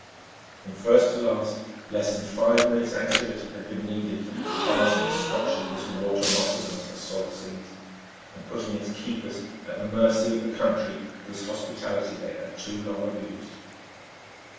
From first to last less than five minutes' activity had been needed for the task of scotching this water moccasin of the salt seas and putting its keepers at the mercy of the country whose hospitality they had too long abused.